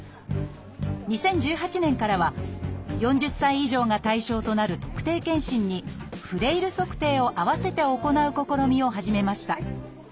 ２０１８年からは４０歳以上が対象となる特定健診にフレイル測定を併せて行う試みを始めました。